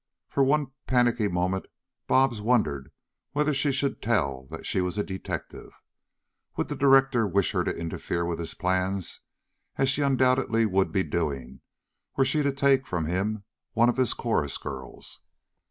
For one panicky moment Bobs wondered whether she should tell that she was a detective. Would the director wish her to interfere with his plans, as she undoubtedly would be doing were she to take from him one of his chorus girls?